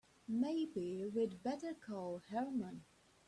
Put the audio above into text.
Maybe we'd better call Herman.